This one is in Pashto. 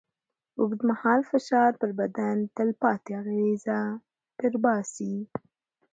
اوږدمهاله فشار پر بدن تلپاتې اغېزه پرېباسي.